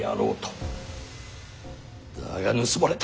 だが盗まれた。